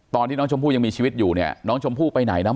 ตอนที่น้องชมพู่ยังมีชีวิตอยู่เนี่ยน้องชมพู่ไปไหนนะ